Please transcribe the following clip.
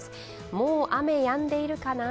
もう雨やんでいるかな？